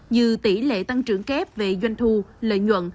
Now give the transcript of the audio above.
như tỷ lệ tăng trưởng kép về doanh thu lợi nhuận